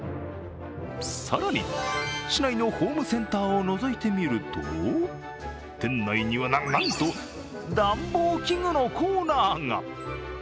更に、市内のホームセンターをのぞいてみると、店内にはな、なんと、暖房器具のコーナーが。